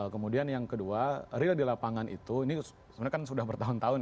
kemudian yang kedua real di lapangan itu ini sebenarnya kan sudah bertahun tahun